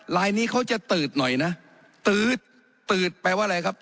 ลายนี้เขาจะตืดหน่อยนะตื๊ดตืดแปลว่าอะไรครับ